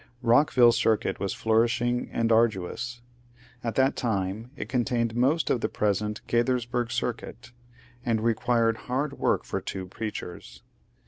Rockville Circuit was flourishing and arduous. At that time it contained most of the present Gaithersburg Circuit, and required hard work for two preachers.